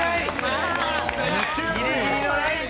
ギリギリライン。